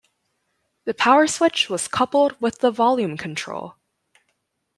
The power switch was coupled with the volume control.